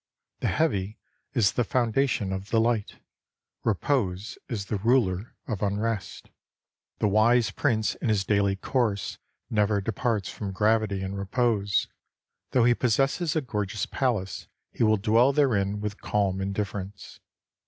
The heavy is the foundation of the light ; repose is the ruler of unrest. The wise prince in his daily course never departs from gravity and repose. Though he possess a gorgeous palace, he will dwell therein with calm indifference.